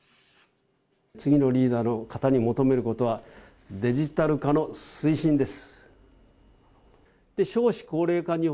次のリーダーの方に求めることはデジタル化の推進です。